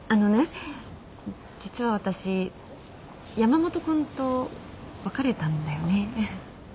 実は私山本君と別れたんだよね。